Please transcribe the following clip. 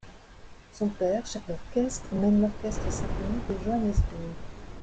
Son père, chef d'orchestre, mène l'Orchestre symphonique de Johannesburg.